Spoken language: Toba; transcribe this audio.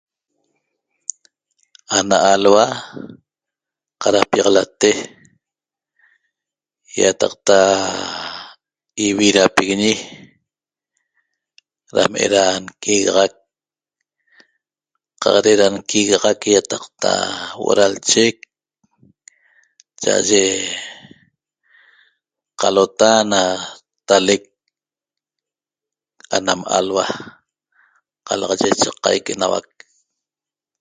Ana alhua qadapiaxalate ýataqta ividapiguiñi dam eda nquigaxac qaq de'eda nquigaxac ýataqta huo'o da lchec cha'aye qalota na talec anam alhua qalaxaye chaqaic enauac